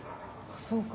そうか。